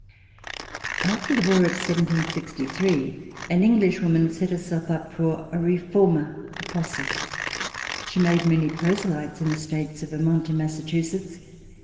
After the war of 1763, an English woman set her self up for a reformer apostle. She made many proselytes in the states of Vermont and Massa chusetts.